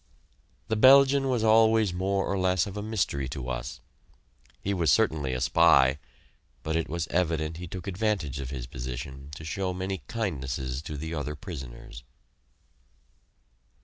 This Belgian was always more or less of a mystery to us. He was certainly a spy, but it was evident he took advantage of his position to show many kindnesses to the other prisoners.